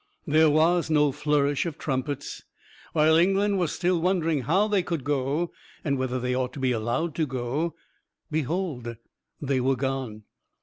There was no flourish of trumpets. While England was still wondering how they could go, and whether they ought to be allowed to go behold, they were gone!